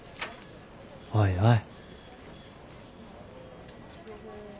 「おいおい」